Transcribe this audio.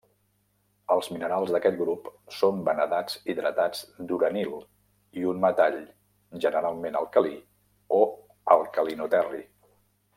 Els minerals d'aquest grup són vanadats hidratats d'uranil i un metall, generalment alcalí o alcalinoterri.